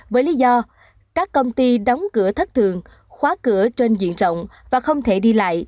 với lý do các công ty đóng cửa thất thường khóa cửa trên diện rộng và không thể đi lại